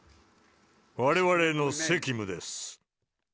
われわれの責務です。